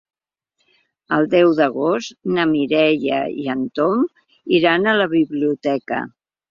El deu d'agost na Mireia i en Tom iran a la biblioteca.